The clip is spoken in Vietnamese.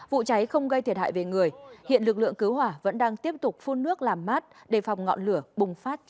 vụ cháy không gây thiệt hại về người hiện lực lượng cứu hỏa vẫn đang tiếp tục phun nước làm mát đề phòng ngọn lửa bùng phát trở lại